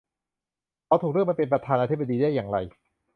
เขาถูกเลือกมาเป็นประธานาธิบดีได้อย่างไร ?